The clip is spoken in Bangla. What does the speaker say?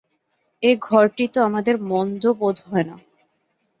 এ-ঘরটি তো আমাদের মন্দ বোধ হয় না।